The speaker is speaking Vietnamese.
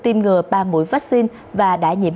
tiêm ngừa ba mũi vaccine và đã nhiễm